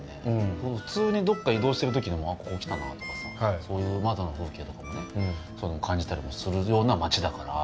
普通にどっか移動してるときでもああ、ここ来たなとかさそういう、窓の風景とかもね感じたりもするような町だから。